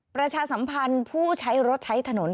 ประชาสัมพันธ์ผู้ใช้รถใช้ถนน